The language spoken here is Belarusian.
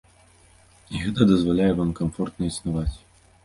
І гэта дазваляе вам камфортна існаваць?